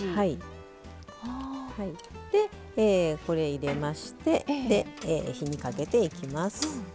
入れまして火にかけていきます。